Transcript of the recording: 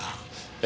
ええ。